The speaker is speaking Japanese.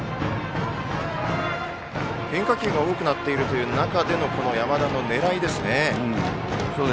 変化球が多くなっている中での山田の狙いですね。